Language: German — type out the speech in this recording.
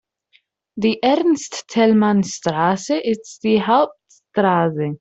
Die Ernst-Thälmann-Straße ist die Hauptstraße.